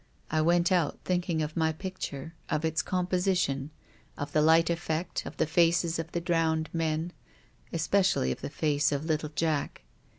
I went out thinking of my picture, of its composition, of the light effect, of the faces of the drowned men, especially of the face of little Jack.